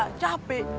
main bola capek